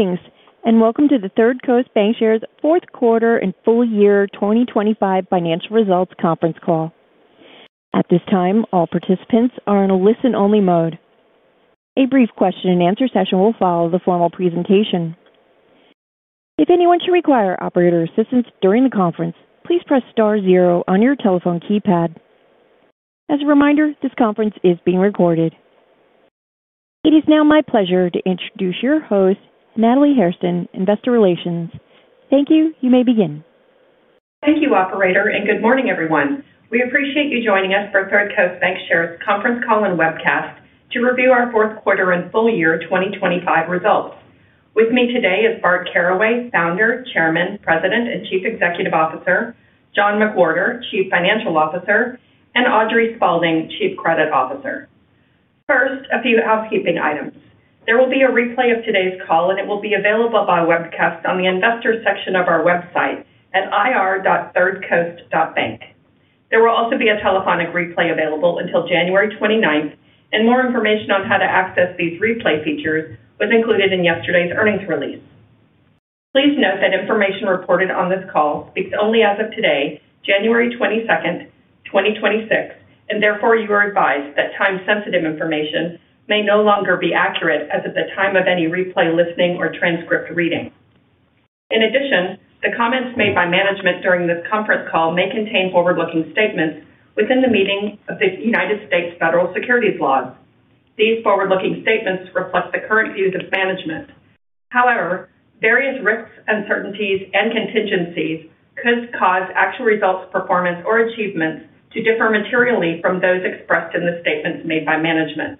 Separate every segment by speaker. Speaker 1: Greetings and welcome to the Third Coast Bancshares Fourth Quarter and Full-Year 2025 Financial Results Conference Call. At this time, all participants are in a listen-only mode. A brief question-and-answer session will follow the formal presentation. If anyone should require operator assistance during the conference, please press star zero on your telephone keypad. As a reminder, this conference is being recorded. It is now my pleasure to introduce your host, Natalie Hairston, Investor Relations. Thank you. You may begin.
Speaker 2: Thank you, Operator, and good morning, everyone. We appreciate you joining us for Third Coast Bancshares Conference Call and Webcast to review our Fourth Quarter and Full-Year 2025 results. With me today are Bart Caraway, Founder, Chairman, President, and Chief Executive Officer, John McWhorter, Chief Financial Officer, and Audrey Spaulding, Chief Credit Officer. First, a few housekeeping items. There will be a replay of today's call, and it will be available by webcast on the Investor section of our website at ir.thirdcoast.bank. There will also be a telephonic replay available until January 29th, and more information on how to access these replay features was included in yesterday's earnings release. Please note that information reported on this call speaks only as of today, January 22nd, 2026, and therefore you are advised that time-sensitive information may no longer be accurate as of the time of any replay listening or transcript reading. In addition, the comments made by management during this conference call may contain forward-looking statements within the meaning of the United States Federal Securities Laws. These forward-looking statements reflect the current views of management. However, various risks, uncertainties, and contingencies could cause actual results, performance, or achievements to differ materially from those expressed in the statements made by management.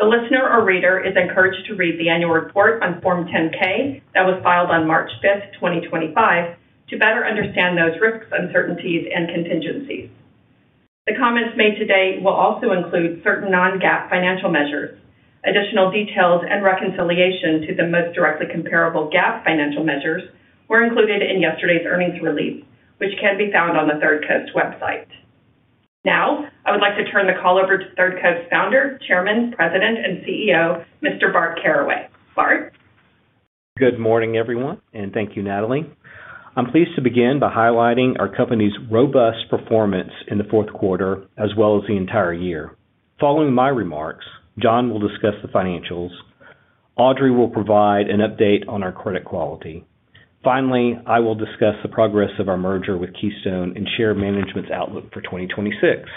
Speaker 2: The listener or reader is encouraged to read the annual report on Form 10-K that was filed on March 5th, 2025, to better understand those risks, uncertainties, and contingencies. The comments made today will also include certain non-GAAP financial measures. Additional details and reconciliation to the most directly comparable GAAP financial measures were included in yesterday's earnings release, which can be found on the Third Coast website. Now, I would like to turn the call over to Third Coast's Founder, Chairman, President, and CEO, Mr. Bart Caraway. Bart?
Speaker 3: Good morning, everyone, and thank you, Natalie. I'm pleased to begin by highlighting our company's robust performance in the fourth quarter as well as the entire year. Following my remarks, John will discuss the financials. Audrey will provide an update on our credit quality. Finally, I will discuss the progress of our merger with Keystone and share management's outlook for 2026.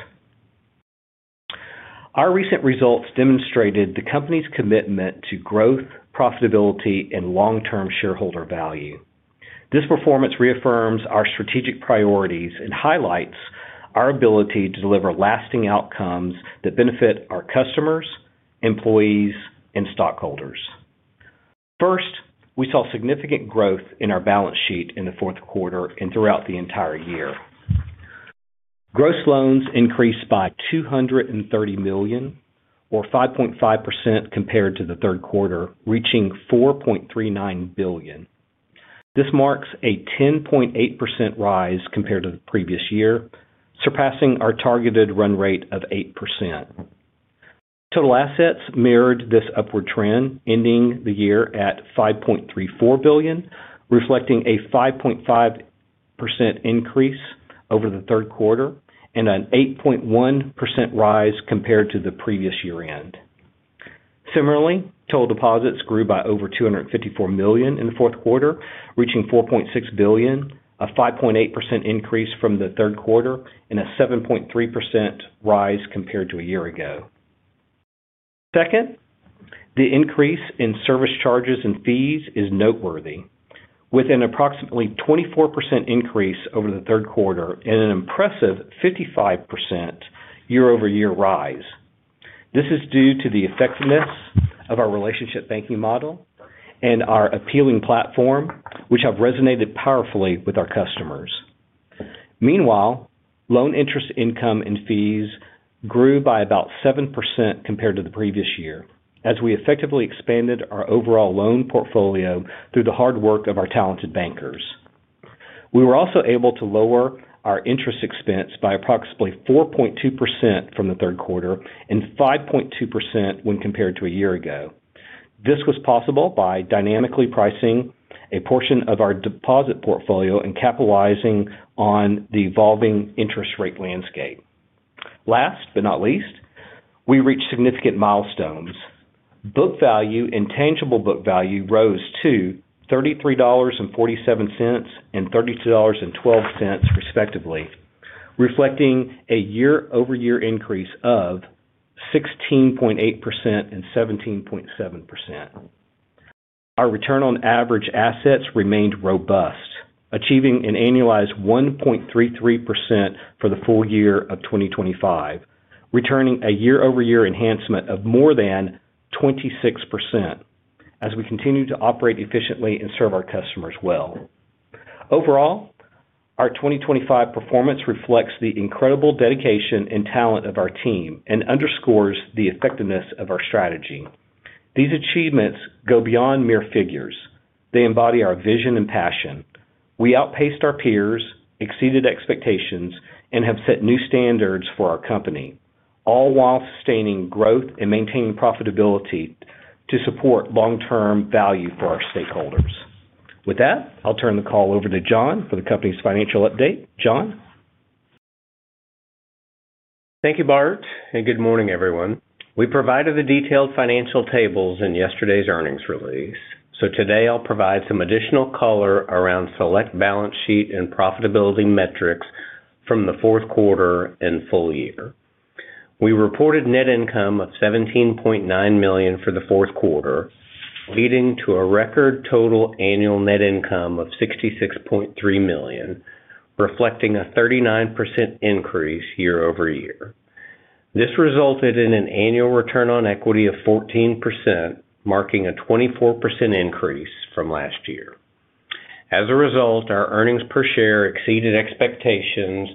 Speaker 3: Our recent results demonstrated the company's commitment to growth, profitability, and long-term shareholder value. This performance reaffirms our strategic priorities and highlights our ability to deliver lasting outcomes that benefit our customers, employees, and stockholders. First, we saw significant growth in our balance sheet in the fourth quarter and throughout the entire year. Gross loans increased by $230 million, or 5.5% compared to the third quarter, reaching $4.39 billion. This marks a 10.8% rise compared to the previous year, surpassing our targeted run rate of 8%. Total assets mirrored this upward trend, ending the year at $5.34 billion, reflecting a 5.5% increase over the third quarter and an 8.1% rise compared to the previous year-end. Similarly, total deposits grew by over $254 million in the fourth quarter, reaching $4.6 billion, a 5.8% increase from the third quarter and a 7.3% rise compared to a year ago. Second, the increase in service charges and fees is noteworthy, with an approximately 24% increase over the third quarter and an impressive 55% year-over-year rise. This is due to the effectiveness of our relationship banking model and our appealing platform, which have resonated powerfully with our customers. Meanwhile, loan interest income and fees grew by about7% compared to the previous year, as we effectively expanded our overall loan portfolio through the hard work of our talented bankers. We were also able to lower our interest expense by approximately 4.2% from the third quarter and 5.2% when compared to a year ago. This was possible by dynamically pricing a portion of our deposit portfolio and capitalizing on the evolving interest rate landscape. Last but not least, we reached significant milestones. Book value and tangible book value rose to $33.47 and $32.12 respectively, reflecting a year-over-year increase of 16.8% and 17.7%. Our return on average assets remained robust, achieving an annualized 1.33% for the full year of 2025, returning a year-over-year enhancement of more than 26% as we continue to operate efficiently and serve our customers well. Overall, our 2025 performance reflects the incredible dedication and talent of our team and underscores the effectiveness of our strategy. These achievements go beyond mere figures. They embody our vision and passion. We outpaced our peers, exceeded expectations, and have set new standards for our company, all while sustaining growth and maintaining profitability to support long-term value for our stakeholders. With that, I'll turn the call over to John for the company's financial update. John?
Speaker 4: Thank you, Bart, and good morning, everyone. We provided the detailed financial tables in yesterday's earnings release, so today I'll provide some additional color around select balance sheet and profitability metrics from the fourth quarter and full year. We reported net income of $17.9 million for the fourth quarter, leading to a record total annual net income of $66.3 million, reflecting a 39% increase year-over-year. This resulted in an annual return on equity of 14%, marking a 24% increase from last year. As a result, our earnings per share exceeded expectations,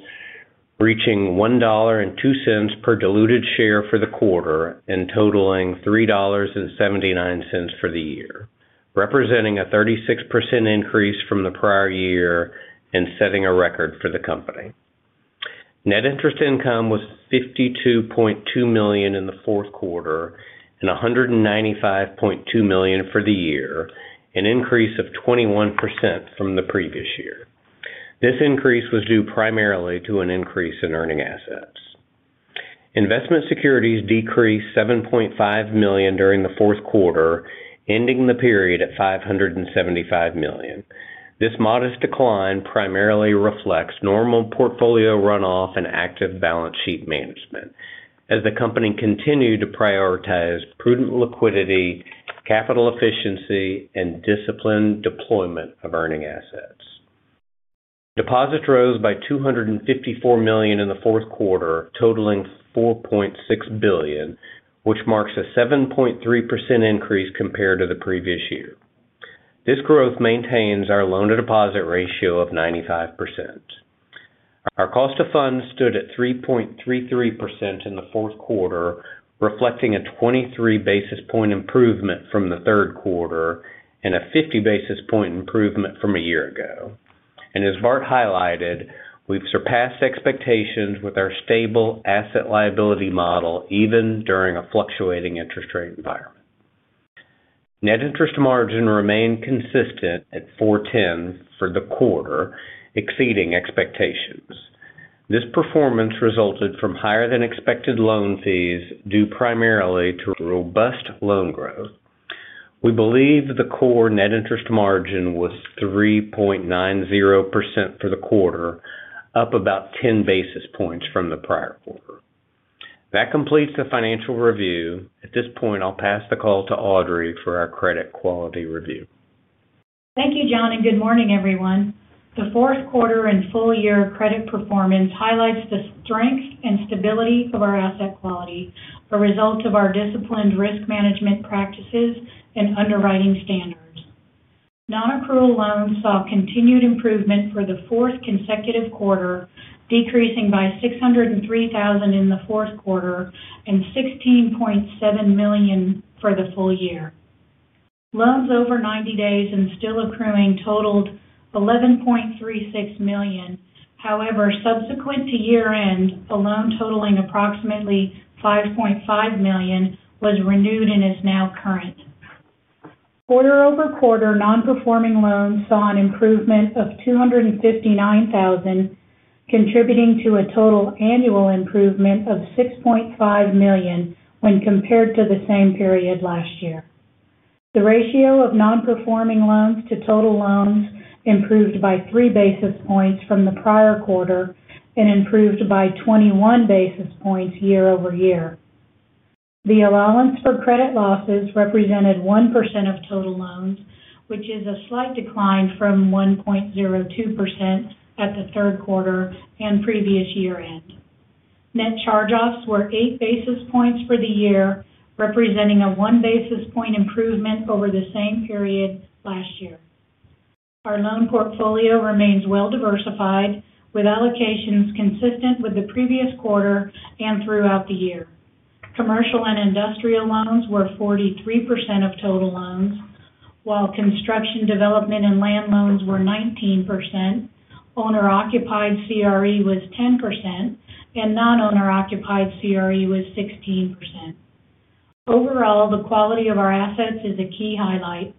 Speaker 4: reaching $1.02 per diluted share for the quarter and totaling $3.79 for the year, representing a 36% increase from the prior year and setting a record for the company. Net interest income was $52.2 million in the fourth quarter and $195.2 million for the year, an increase of 21% from the previous year. This increase was due primarily to an increase in earning assets. Investment securities decreased $7.5 million during the fourth quarter, ending the period at $575 million. This modest decline primarily reflects normal portfolio runoff and active balance sheet management, as the company continued to prioritize prudent liquidity, capital efficiency, and disciplined deployment of earning assets. Deposits rose by $254 million in the fourth quarter, totaling $4.6 billion, which marks a 7.3% increase compared to the previous year. This growth maintains our loan-to-deposit ratio of 95%. Our cost of funds stood at 3.33% in the fourth quarter, reflecting a 23 basis point improvement from the third quarter and a 50 basis point improvement from a year ago. As Bart highlighted, we've surpassed expectations with our stable asset liability model, even during a fluctuating interest rate environment. Net interest margin remained consistent at 4.10% for the quarter, exceeding expectations. This performance resulted from higher-than-expected loan fees due primarily to robust loan growth. We believe the core net interest margin was 3.90% for the quarter, up about 10 basis points from the prior quarter. That completes the financial review. At this point, I'll pass the call to Audrey for our credit quality review.
Speaker 5: Thank you, John, and good morning, everyone. The fourth quarter and full year credit performance highlights the strength and stability of our asset quality as a result of our disciplined risk management practices and underwriting standards. Non-accrual loans saw continued improvement for the fourth consecutive quarter, decreasing by $603,000 in the fourth quarter and $16.7 million for the full year. Loans over 90 days and still accruing totaled $11.36 million. However, subsequent to year-end, a loan totaling approximately $5.5 million was renewed and is now current. Quarter-over-quarter, non-performing loans saw an improvement of $259,000, contributing to a total annual improvement of $6.5 million when compared to the same period last year. The ratio of non-performing loans to total loans improved by 3 basis points from the prior quarter and improved by 21 basis points year-over-year. The allowance for credit losses represented 1% of total loans, which is a slight decline from 1.02% at the third quarter and previous year-end. Net charge-offs were 8 basis points for the year, representing a 1 basis point improvement over the same period last year. Our loan portfolio remains well-diversified, with allocations consistent with the previous quarter and throughout the year. Commercial and industrial loans were 43% of total loans, while construction, development, and land loans were 19%. Owner-occupied CRE was 10%, and non-owner-occupied CRE was 16%. Overall, the quality of our assets is a key highlight.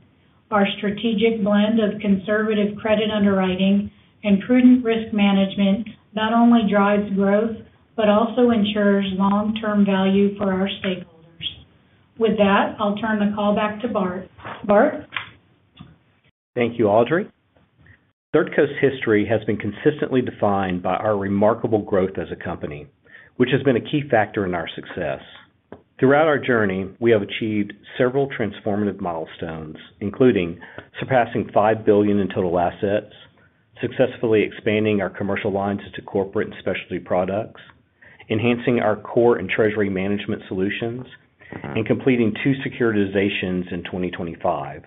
Speaker 5: Our strategic blend of conservative credit underwriting and prudent risk management not only drives growth but also ensures long-term value for our stakeholders. With that, I'll turn the call back to Bart. Bart?
Speaker 3: Thank you, Audrey. Third Coast's history has been consistently defined by our remarkable growth as a company, which has been a key factor in our success. Throughout our journey, we have achieved several transformative milestones, including surpassing $5 billion in total assets, successfully expanding our commercial lines into corporate and specialty products, enhancing our core and treasury management solutions, and completing two securitizations in 2025.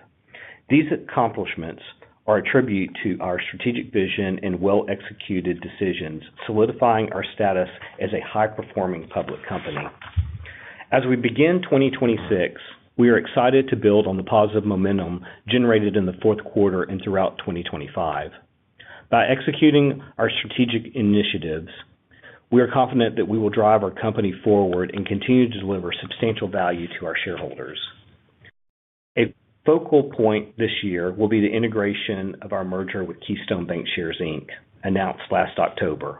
Speaker 3: These accomplishments are a tribute to our strategic vision and well-executed decisions, solidifying our status as a high-performing public company. As we begin 2026, we are excited to build on the positive momentum generated in the fourth quarter and throughout 2025. By executing our strategic initiatives, we are confident that we will drive our company forward and continue to deliver substantial value to our shareholders. A focal point this year will be the integration of our merger with Keystone Bancshares, Inc., announced last October.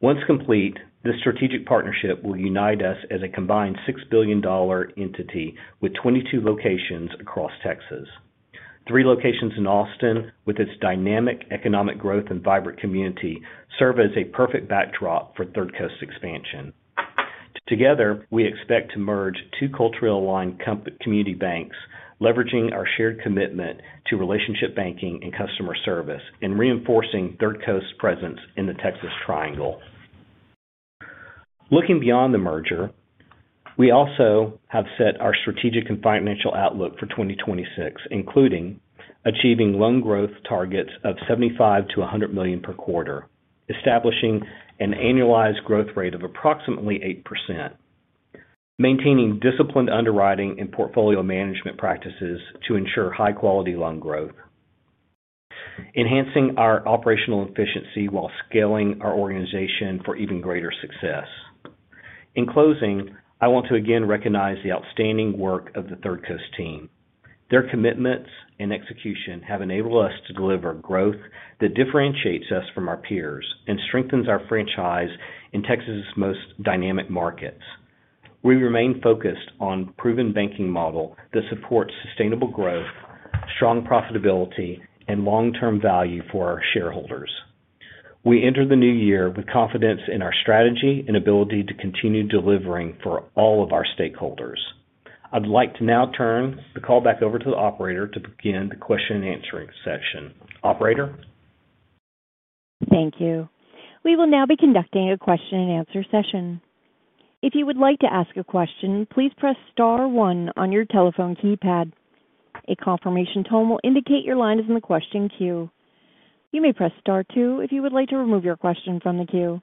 Speaker 3: Once complete, this strategic partnership will unite us as a combined $6 billion entity with 22 locations across Texas. Three locations in Austin, with its dynamic economic growth and vibrant community, serve as a perfect backdrop for Third Coast's expansion. Together, we expect to merge two culturally aligned community banks, leveraging our shared commitment to relationship banking and customer service, and reinforcing Third Coast's presence in the Texas Triangle. Looking beyond the merger, we also have set our strategic and financial outlook for 2026, including achieving loan growth targets of $75 million-$100 million per quarter, establishing an annualized growth rate of approximately 8%, maintaining disciplined underwriting and portfolio management practices to ensure high-quality loan growth, enhancing our operational efficiency while scaling our organization for even greater success. In closing, I want to again recognize the outstanding work of the Third Coast team. Their commitments and execution have enabled us to deliver growth that differentiates us from our peers and strengthens our franchise in Texas' most dynamic markets. We remain focused on a proven banking model that supports sustainable growth, strong profitability, and long-term value for our shareholders. We enter the new year with confidence in our strategy and ability to continue delivering for all of our stakeholders. I'd like to now turn the call back over to the operator to begin the question-and-answer session. Operator?
Speaker 1: Thank you. We will now be conducting a question-and-answer session. If you would like to ask a question, please press Star 1 on your telephone keypad. A confirmation tone will indicate your line is in the question queue. You may press Star 2 if you would like to remove your question from the queue.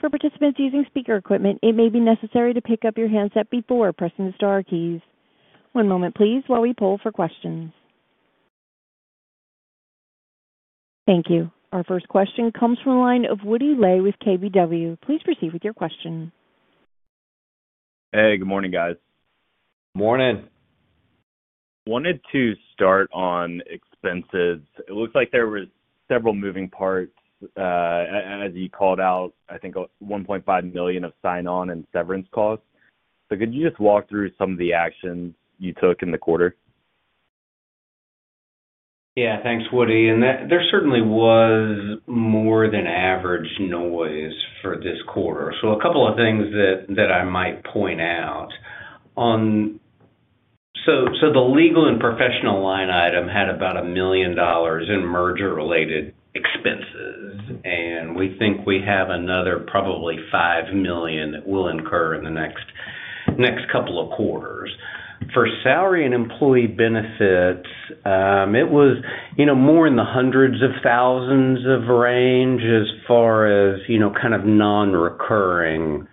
Speaker 1: For participants using speaker equipment, it may be necessary to pick up your handset before pressing the Star keys. One moment, please, while we pull for questions. Thank you. Our first question comes from a line of Woody Lay with KBW. Please proceed with your question.
Speaker 6: Hey, good morning, guys.
Speaker 3: Morning.
Speaker 6: Wanted to start on expenses. It looks like there were several moving parts. As you called out, I think $1.5 million of sign-on and severance costs. So could you just walk through some of the actions you took in the quarter?
Speaker 3: Yeah, thanks, Woody. There certainly was more than average noise for this quarter. A couple of things that I might point out. The legal and professional line item had about $1 million in merger-related expenses, and we think we have another probably $5 million that will incur in the next couple of quarters. For salary and employee benefits, it was more in the hundreds of thousands range as far as kind of non-recurring-type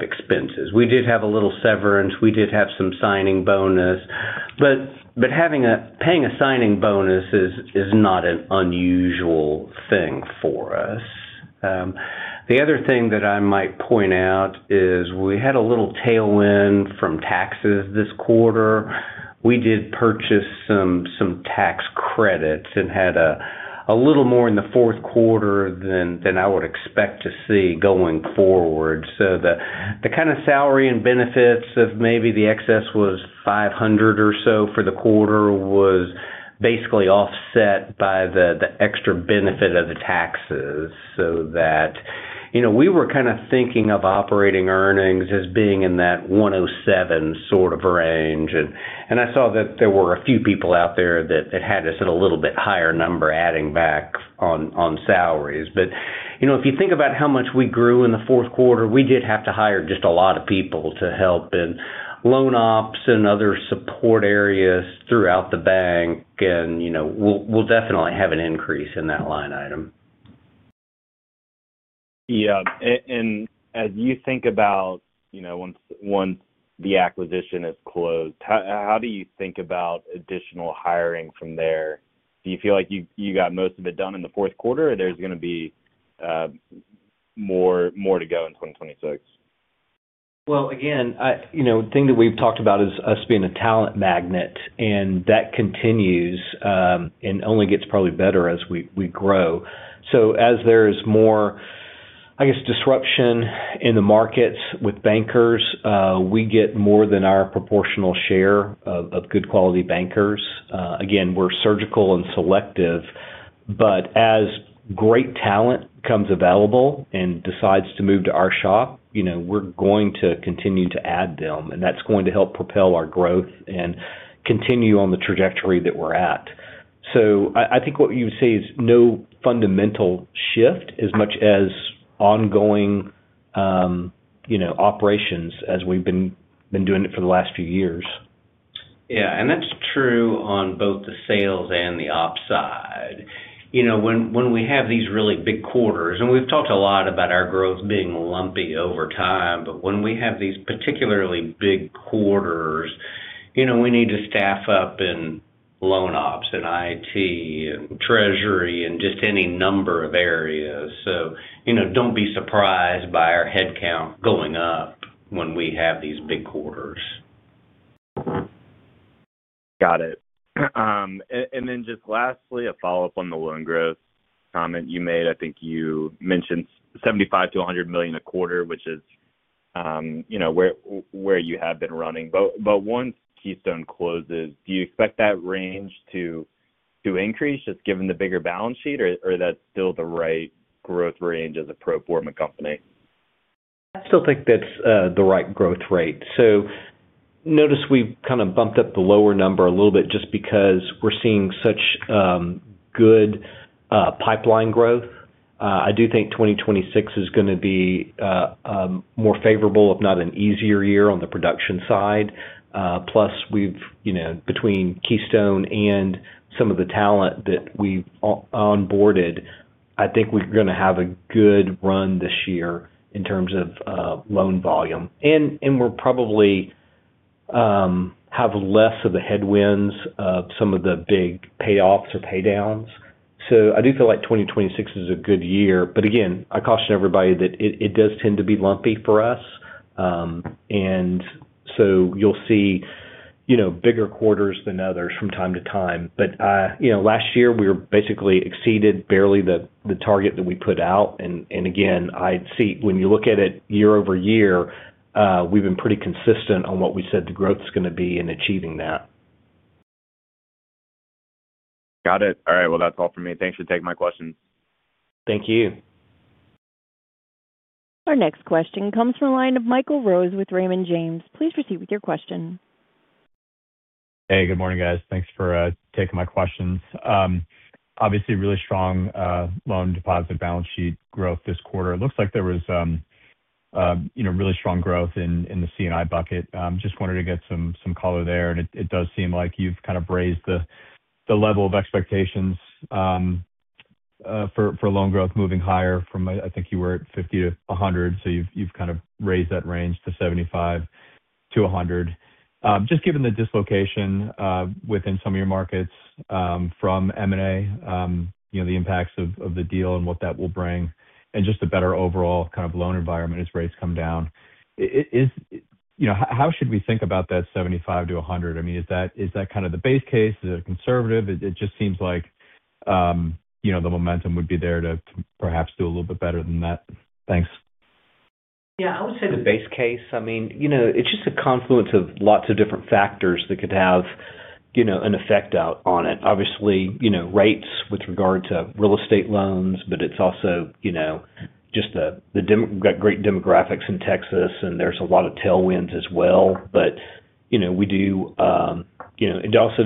Speaker 3: expenses. We did have a little severance. We did have some signing bonus. Paying a signing bonus is not an unusual thing for us. The other thing that I might point out is we had a little tailwind from taxes this quarter. We did purchase some tax credits and had a little more in the fourth quarter than I would expect to see going forward. So the kind of salary and benefits of maybe the excess was $500 or so for the quarter was basically offset by the extra benefit of the taxes. So we were kind of thinking of operating earnings as being in that $1.07 sort of range. And I saw that there were a few people out there that had a little bit higher number adding back on salaries. But if you think about how much we grew in the fourth quarter, we did have to hire just a lot of people to help in loan ops and other support areas throughout the bank. And we'll definitely have an increase in that line item.
Speaker 6: Yeah. And as you think about once the acquisition is closed, how do you think about additional hiring from there? Do you feel like you got most of it done in the fourth quarter, or there's going to be more to go in 2026?
Speaker 3: Again, the thing that we've talked about is us being a talent magnet, and that continues and only gets probably better as we grow. So as there's more, I guess, disruption in the markets with bankers, we get more than our proportional share of good quality bankers. Again, we're surgical and selective. But as great talent comes available and decides to move to our shop, we're going to continue to add them, and that's going to help propel our growth and continue on the trajectory that we're at. So I think what you would say is no fundamental shift as much as ongoing operations as we've been doing it for the last few years. Yeah. And that's true on both the sales and the ops side. When we have these really big quarters, and we've talked a lot about our growth being lumpy over time, but when we have these particularly big quarters, we need to staff up in loan ops and IT and treasury and just any number of areas, so don't be surprised by our headcount going up when we have these big quarters.
Speaker 6: Got it. And then just lastly, a follow-up on the loan growth comment you made. I think you mentioned $75 million-$100 million a quarter, which is where you have been running. But once Keystone closes, do you expect that range to increase just given the bigger balance sheet, or that's still the right growth range as a pro forma company?
Speaker 3: I still think that's the right growth rate. So notice we've kind of bumped up the lower number a little bit just because we're seeing such good pipeline growth. I do think 2026 is going to be a more favorable, if not an easier year, on the production side. Plus, between Keystone and some of the talent that we've onboarded, I think we're going to have a good run this year in terms of loan volume. And we'll probably have less of the headwinds of some of the big payoffs or paydowns. So I do feel like 2026 is a good year. But again, I caution everybody that it does tend to be lumpy for us. And so you'll see bigger quarters than others from time to time. But last year, we basically exceeded barely the target that we put out. And again, when you look at it year over year, we've been pretty consistent on what we said the growth's going to be in achieving that.
Speaker 6: Got it. All right. Well, that's all for me. Thanks for taking my questions.
Speaker 3: Thank you.
Speaker 1: Our next question comes from a line of Michael Rose with Raymond James. Please proceed with your question.
Speaker 7: Hey, good morning, guys. Thanks for taking my questions. Obviously, really strong loan deposit balance sheet growth this quarter. It looks like there was really strong growth in the C&I bucket. Just wanted to get some color there. And it does seem like you've kind of raised the level of expectations for loan growth moving higher from, I think you were at $50 million-$100 million. So you've kind of raised that range to $75 million-$100 million. Just given the dislocation within some of your markets from M&A, the impacts of the deal and what that will bring, and just a better overall kind of loan environment as rates come down, how should we think about that $75 million-$100 million? I mean, is that kind of the base case? Is it a conservative? It just seems like the momentum would be there to perhaps do a little bit better than that. Thanks.
Speaker 3: Yeah. I would say the base case. I mean, it's just a confluence of lots of different factors that could have an effect on it. Obviously, rates with regard to real estate loans, but it's also just the great demographics in Texas, and there's a lot of tailwinds as well. But we do, it also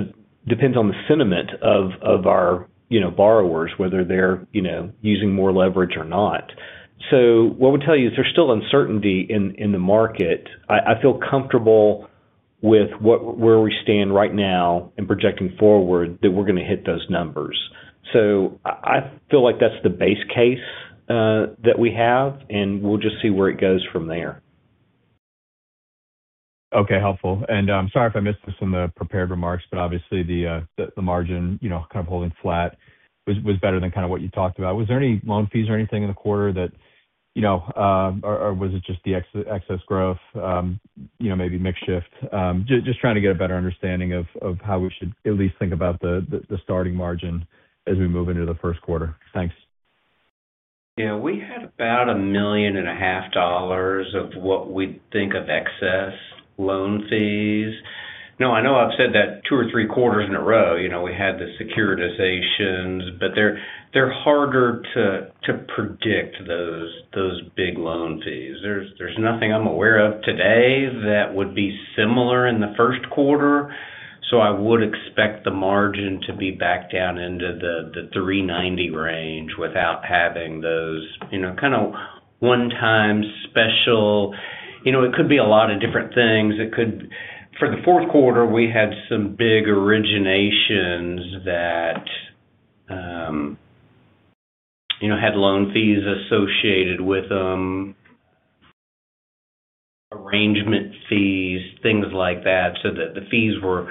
Speaker 3: depends on the sentiment of our borrowers, whether they're using more leverage or not. So what I would tell you is there's still uncertainty in the market. I feel comfortable with where we stand right now and projecting forward that we're going to hit those numbers. So I feel like that's the base case that we have, and we'll just see where it goes from there.
Speaker 7: Okay. Helpful. And I'm sorry if I missed this in the prepared remarks, but obviously, the margin kind of holding flat was better than kind of what you talked about. Was there any loan fees or anything in the quarter that, or was it just the excess growth, maybe mixed shift? Just trying to get a better understanding of how we should at least think about the starting margin as we move into the first quarter. Thanks.
Speaker 3: Yeah. We had about $1.5 million of what we'd think of excess loan fees. No, I know I've said that two or three quarters in a row. We had the securitizations, but they're harder to predict, those big loan fees. There's nothing I'm aware of today that would be similar in the first quarter. So I would expect the margin to be back down into the 3.90% range without having those kind of one-time special. It could be a lot of different things. For the fourth quarter, we had some big originations that had loan fees associated with them, arrangement fees, things like that. So the fees were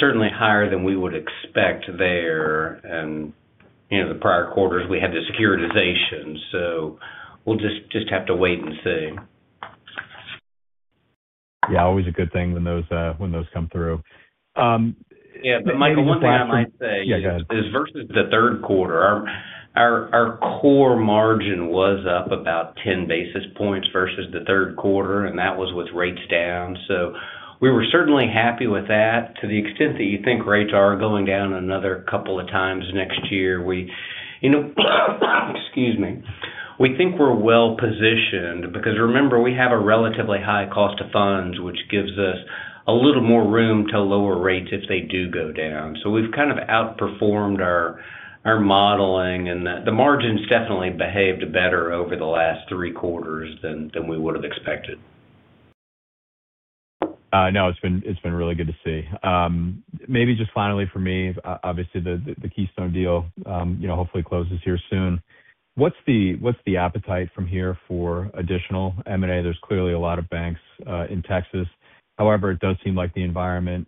Speaker 3: certainly higher than we would expect there. And the prior quarters, we had the securitization. So we'll just have to wait and see.
Speaker 7: Yeah. Always a good thing when those come through.
Speaker 3: Yeah, but Michael, one thing I might say.
Speaker 7: Yeah. Go ahead.
Speaker 3: Versus the third quarter, our core margin was up about 10 basis points versus the third quarter, and that was with rates down. So we were certainly happy with that to the extent that you think rates are going down another couple of times next year. Excuse me. We think we're well-positioned because remember, we have a relatively high cost of funds, which gives us a little more room to lower rates if they do go down. So we've kind of outperformed our modeling, and the margins definitely behaved better over the last three quarters than we would have expected.
Speaker 7: No, it's been really good to see. Maybe just finally for me, obviously, the Keystone deal hopefully closes here soon. What's the appetite from here for additional M&A? There's clearly a lot of banks in Texas. However, it does seem like the environment,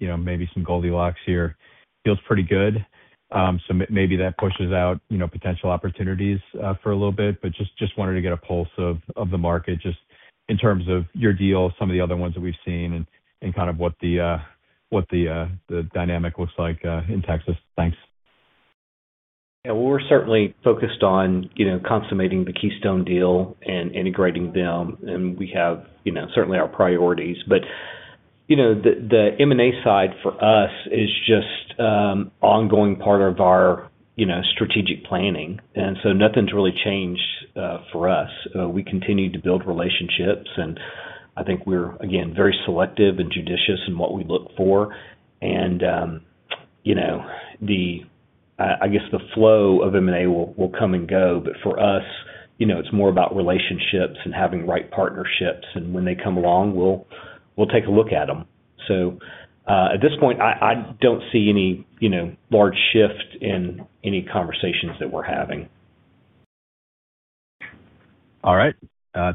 Speaker 7: maybe some Goldilocks here, feels pretty good. So maybe that pushes out potential opportunities for a little bit. But just wanted to get a pulse of the market just in terms of your deal, some of the other ones that we've seen, and kind of what the dynamic looks like in Texas. Thanks.
Speaker 3: Yeah. Well, we're certainly focused on consummating the Keystone deal and integrating them. And we have certainly our priorities. But the M&A side for us is just an ongoing part of our strategic planning. And so nothing's really changed for us. We continue to build relationships. And I think we're, again, very selective and judicious in what we look for. And I guess the flow of M&A will come and go. But for us, it's more about relationships and having the right partnerships. And when they come along, we'll take a look at them. So at this point, I don't see any large shift in any conversations that we're having.
Speaker 7: All right.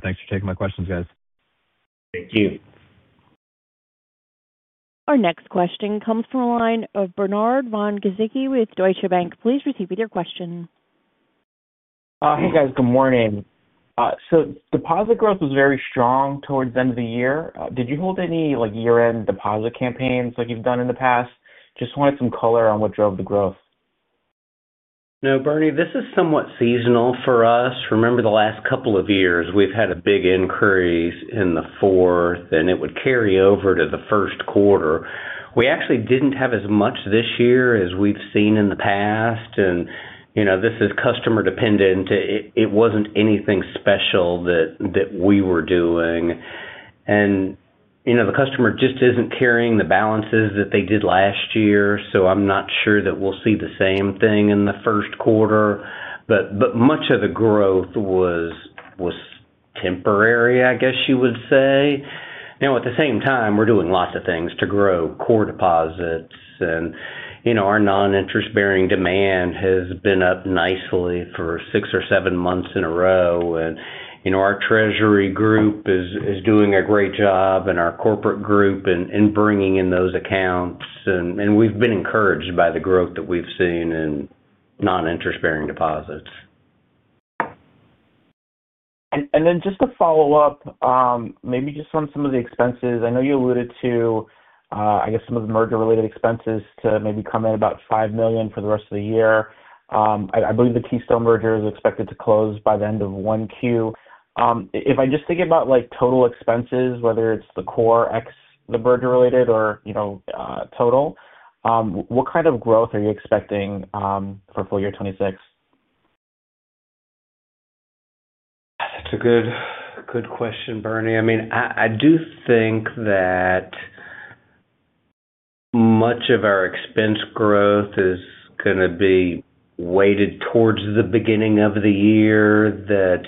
Speaker 7: Thanks for taking my questions, guys.
Speaker 3: Thank you.
Speaker 1: Our next question comes from a line of Bernard Von Gizycki with Deutsche Bank. Please proceed with your question.
Speaker 8: Hey, guys. Good morning. So deposit growth was very strong toward the end of the year. Did you hold any year-end deposit campaigns like you've done in the past? Just wanted some color on what drove the growth.
Speaker 3: No, Bernie, this is somewhat seasonal for us. Remember, the last couple of years, we've had a big increase in the fourth, and it would carry over to the first quarter. We actually didn't have as much this year as we've seen in the past. And this is customer-dependent. It wasn't anything special that we were doing. And the customer just isn't carrying the balances that they did last year. So I'm not sure that we'll see the same thing in the first quarter. But much of the growth was temporary, I guess you would say. Now, at the same time, we're doing lots of things to grow core deposits. And our non-interest-bearing demand has been up nicely for six or seven months in a row. And our treasury group is doing a great job, and our corporate group, in bringing in those accounts. We've been encouraged by the growth that we've seen in non-interest-bearing deposits.
Speaker 8: And then just to follow up, maybe just on some of the expenses. I know you alluded to, I guess, some of the merger-related expenses to maybe come in about $5 million for the rest of the year. I believe the Keystone merger is expected to close by the end of 1Q. If I just think about total expenses, whether it's the core ex, the merger-related, or total, what kind of growth are you expecting for full year 2026?
Speaker 3: That's a good question, Bernie. I mean, I do think that much of our expense growth is going to be weighted towards the beginning of the year, that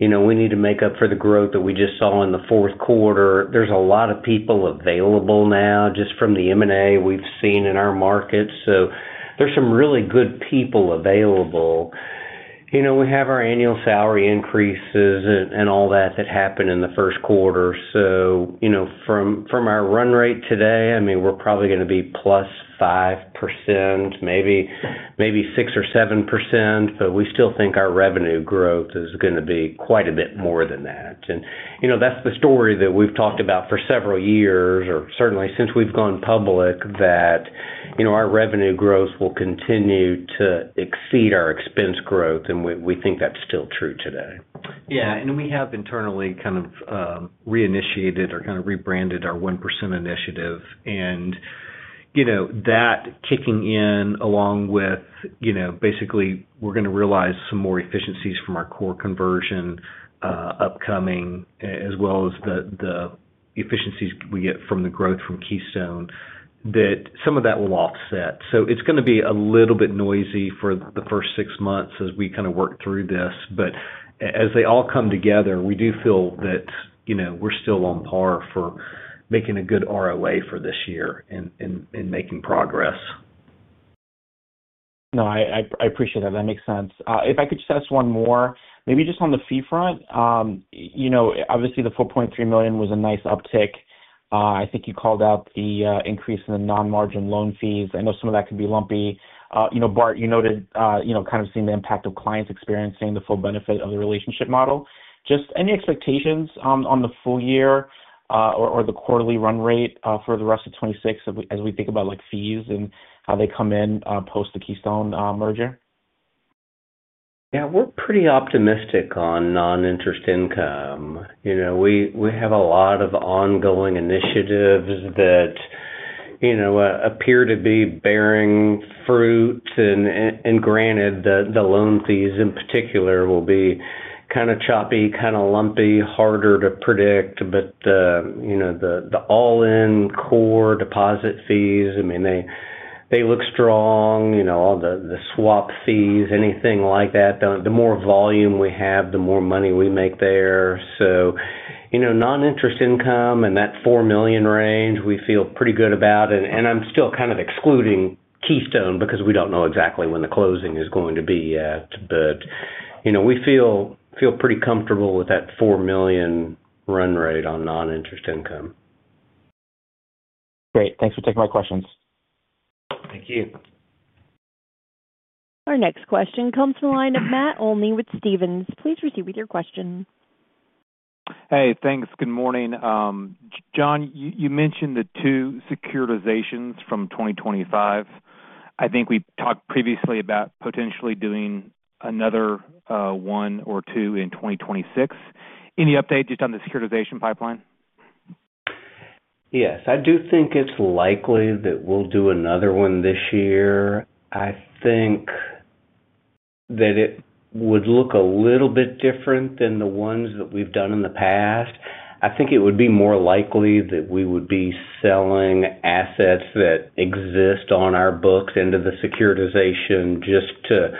Speaker 3: we need to make up for the growth that we just saw in the fourth quarter. There's a lot of people available now just from the M&A we've seen in our market. So there's some really good people available. We have our annual salary increases and all that that happened in the first quarter. So from our run rate today, I mean, we're probably going to be plus 5%, maybe 6 or 7%. But we still think our revenue growth is going to be quite a bit more than that, and that's the story that we've talked about for several years, or certainly since we've gone public, that our revenue growth will continue to exceed our expense growth. We think that's still true today. Yeah. We have internally kind of reinitiated or kind of rebranded our 1% initiative. And that kicking in along with basically, we're going to realize some more efficiencies from our core conversion upcoming, as well as the efficiencies we get from the growth from Keystone, that some of that will offset. It's going to be a little bit noisy for the first six months as we kind of work through this. As they all come together, we do feel that we're still on par for making a good ROA for this year and making progress.
Speaker 8: No, I appreciate that. That makes sense. If I could just ask one more, maybe just on the fee front, obviously, the $4.3 million was a nice uptick. I think you called out the increase in the non-margin loan fees. I know some of that can be lumpy. Bart, you noted kind of seeing the impact of clients experiencing the full benefit of the relationship model. Just any expectations on the full year or the quarterly run rate for the rest of 2026 as we think about fees and how they come in post the Keystone merger?
Speaker 3: Yeah. We're pretty optimistic on non-interest income. We have a lot of ongoing initiatives that appear to be bearing fruit. And granted, the loan fees in particular will be kind of choppy, kind of lumpy, harder to predict. But the all-in core deposit fees, I mean, they look strong. All the swap fees, anything like that. The more volume we have, the more money we make there. So non-interest income and that $4 million range, we feel pretty good about. And I'm still kind of excluding Keystone because we don't know exactly when the closing is going to be yet. But we feel pretty comfortable with that $4 million run rate on non-interest income.
Speaker 8: Great. Thanks for taking my questions.
Speaker 3: Thank you.
Speaker 1: Our next question comes from a line of Matt Olney with Stephens. Please proceed with your question.
Speaker 9: Hey. Thanks. Good morning. John, you mentioned the two securitizations from 2025. I think we talked previously about potentially doing another one or two in 2026. Any update just on the securitization pipeline?
Speaker 4: Yes. I do think it's likely that we'll do another one this year. I think that it would look a little bit different than the ones that we've done in the past. I think it would be more likely that we would be selling assets that exist on our books into the securitization just to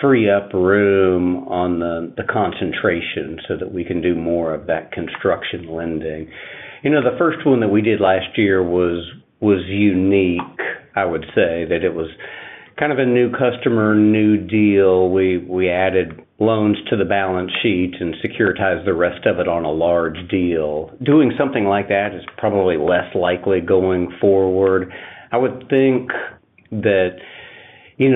Speaker 4: free up room on the concentration so that we can do more of that construction lending. The first one that we did last year was unique, I would say, that it was kind of a new customer, new deal. We added loans to the balance sheet and securitized the rest of it on a large deal. Doing something like that is probably less likely going forward. I would think that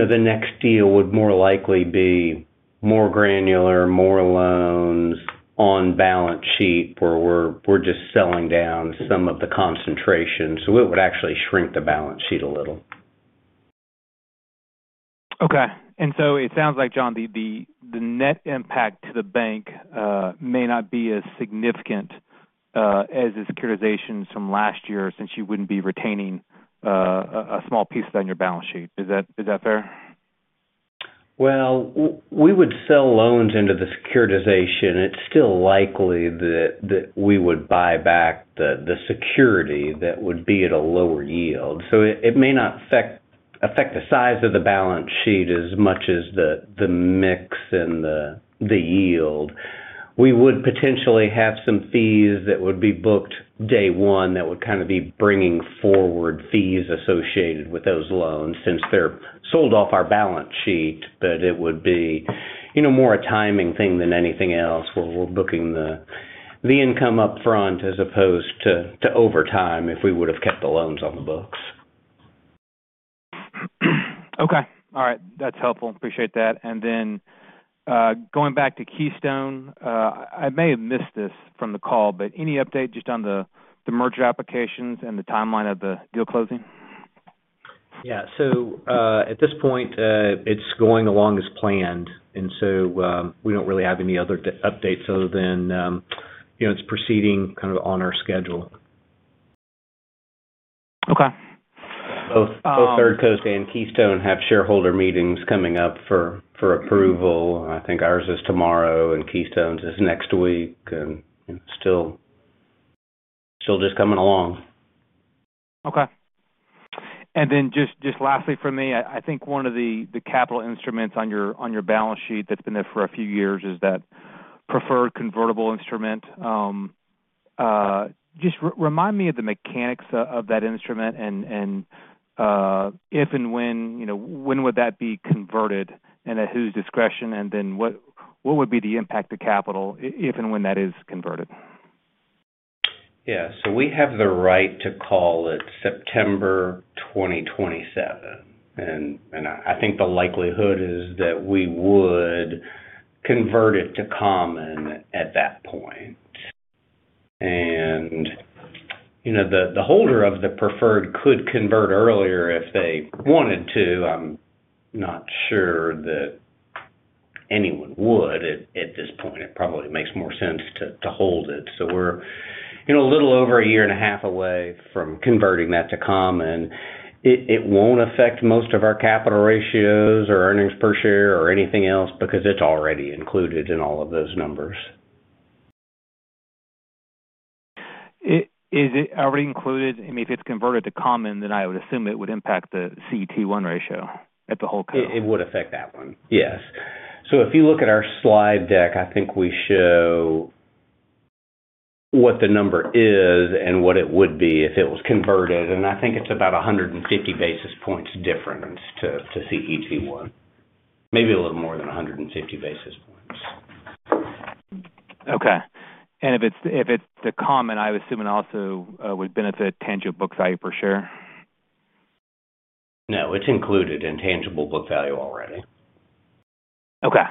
Speaker 4: the next deal would more likely be more granular, more loans on balance sheet where we're just selling down some of the concentration. So it would actually shrink the balance sheet a little.
Speaker 9: Okay. And so it sounds like, John, the net impact to the bank may not be as significant as the securitizations from last year since you wouldn't be retaining a small piece of that in your balance sheet. Is that fair?
Speaker 4: We would sell loans into the securitization. It's still likely that we would buy back the security that would be at a lower yield. It may not affect the size of the balance sheet as much as the mix and the yield. We would potentially have some fees that would be booked day one that would kind of be bringing forward fees associated with those loans since they're sold off our balance sheet. But it would be more a timing thing than anything else where we're booking the income upfront as opposed to over time if we would have kept the loans on the books.
Speaker 9: Okay. All right. That's helpful. Appreciate that. And then going back to Keystone, I may have missed this from the call, but any update just on the merger applications and the timeline of the deal closing?
Speaker 3: Yeah. So at this point, it's going along as planned. And so we don't really have any other updates other than it's proceeding kind of on our schedule.
Speaker 9: Okay.
Speaker 3: Both Third Coast and Keystone have shareholder meetings coming up for approval. I think ours is tomorrow, and Keystone's is next week, and still just coming along.
Speaker 9: Okay. And then just lastly for me, I think one of the capital instruments on your balance sheet that's been there for a few years is that preferred convertible instrument. Just remind me of the mechanics of that instrument and if and when would that be converted and at whose discretion? And then what would be the impact to capital if and when that is converted?
Speaker 3: Yeah. So we have the right to call it September 2027. And I think the likelihood is that we would convert it to common at that point. And the holder of the preferred could convert earlier if they wanted to. I'm not sure that anyone would at this point. It probably makes more sense to hold it. So we're a little over a year and a half away from converting that to common. It won't affect most of our capital ratios or earnings per share or anything else because it's already included in all of those numbers.
Speaker 9: Is it already included? I mean, if it's converted to common, then I would assume it would impact the CET1 ratio at the whole company.
Speaker 3: It would affect that one. Yes. So if you look at our slide deck, I think we show what the number is and what it would be if it was converted. And I think it's about 150 basis points different to CET1. Maybe a little more than 150 basis points.
Speaker 9: Okay. And if it's the common, I would assume it also would benefit tangible book value per share?
Speaker 3: No. It's included in tangible book value already.
Speaker 9: Okay.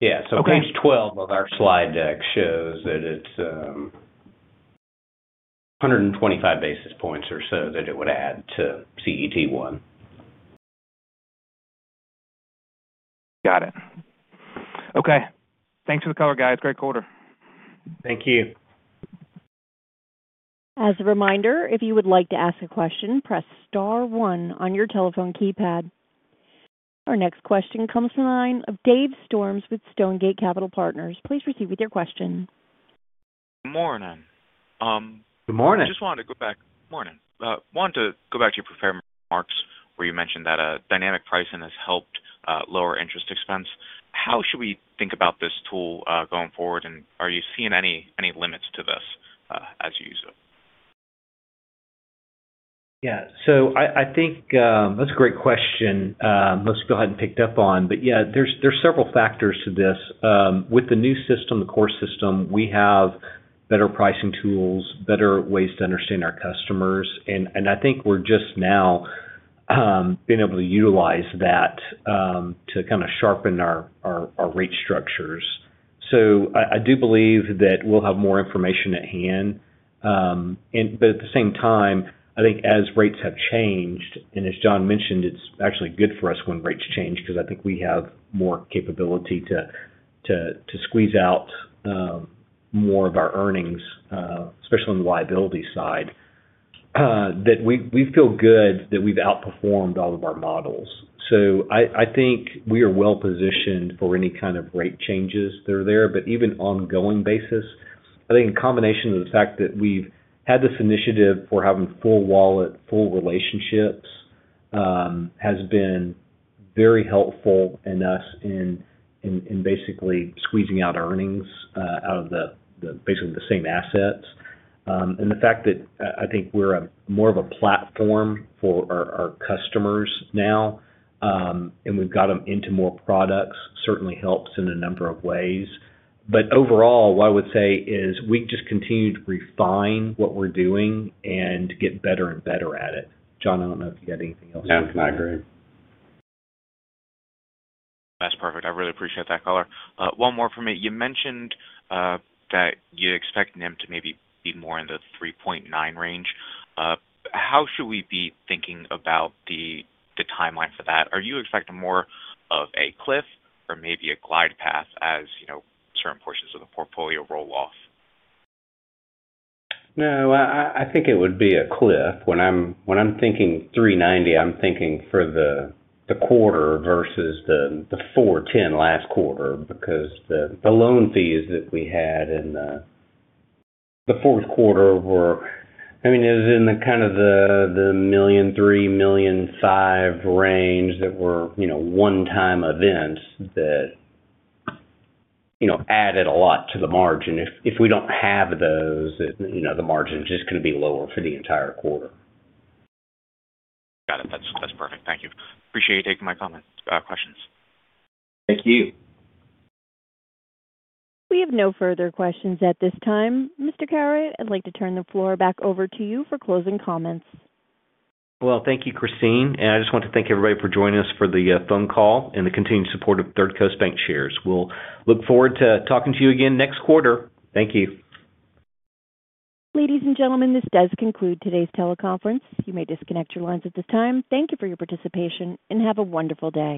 Speaker 3: Yeah. So page 12 of our slide deck shows that it's 125 basis points or so that it would add to CET1.
Speaker 9: Got it. Okay. Thanks for the color, guys. Great quarter.
Speaker 3: Thank you.
Speaker 1: As a reminder, if you would like to ask a question, press star one on your telephone keypad. Our next question comes from a line of Dave Storms with Stonegate Capital Partners. Please proceed with your question.
Speaker 10: Good morning.
Speaker 4: Good morning.
Speaker 10: I just wanted to go back. Good morning. I wanted to go back to your prepared remarks where you mentioned that dynamic pricing has helped lower interest expense. How should we think about this tool going forward? And are you seeing any limits to this as you use it?
Speaker 3: Yeah. So I think that's a great question. Most people hadn't picked up on. But yeah, there's several factors to this. With the new system, the core system, we have better pricing tools, better ways to understand our customers. And I think we're just now being able to utilize that to kind of sharpen our rate structures. So I do believe that we'll have more information at hand. But at the same time, I think as rates have changed, and as John mentioned, it's actually good for us when rates change because I think we have more capability to squeeze out more of our earnings, especially on the liability side, that we feel good that we've outperformed all of our models. So I think we are well-positioned for any kind of rate changes that are there. But even on a going basis, I think in combination with the fact that we've had this initiative for having full wallet, full relationships has been very helpful in us in basically squeezing out earnings out of basically the same assets. And the fact that I think we're more of a platform for our customers now and we've got them into more products certainly helps in a number of ways. But overall, what I would say is we just continue to refine what we're doing and get better and better at it. John, I don't know if you had anything else to add.
Speaker 4: No. I agree.
Speaker 10: That's perfect. I really appreciate that, color. One more from me. You mentioned that you expect NIM to maybe be more in the 3.9% range. How should we be thinking about the timeline for that? Are you expecting more of a cliff or maybe a glide path as certain portions of the portfolio roll off?
Speaker 3: No. I think it would be a cliff. When I'm thinking 3.90%, I'm thinking for the quarter versus the 4.10% last quarter because the loan fees that we had in the fourth quarter were, I mean, it was in the kind of the million, three million, five range that were one-time events that added a lot to the margin. If we don't have those, the margin is just going to be lower for the entire quarter.
Speaker 10: Got it. That's perfect. Thank you. Appreciate you taking my comment questions.
Speaker 3: Thank you.
Speaker 1: We have no further questions at this time. Mr. Caraway, I'd like to turn the floor back over to you for closing comments.
Speaker 3: Well, thank you, Christine. And I just want to thank everybody for joining us for the phone call and the continued support of Third Coast Bancshares. We'll look forward to talking to you again next quarter. Thank you.
Speaker 1: Ladies and gentlemen, this does conclude today's teleconference. You may disconnect your lines at this time. Thank you for your participation and have a wonderful day.